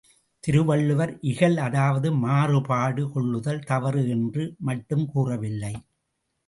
திருவள்ளுவர் இகல் அதாவது மாறுபாடு கொள்ளுதல் தவறு என்று மட்டும் கூறவில்லை.